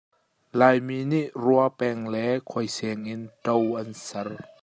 Laimi nih rua peng le khuaiseng in ṭo an ser.